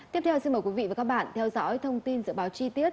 tiếp theo xin mời quý vị và các bạn theo dõi thông tin dự báo chi tiết